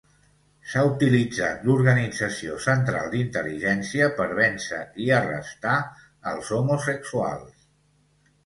S'ha utilitzat l'Organització Central d'Intel·ligència per vèncer i arrestar els homosexuals.